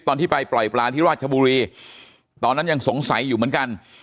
ตอนที่ไปปล่อยปลาที่ราชบุรีตอนนั้นยังสงสัยอยู่เหมือนกัน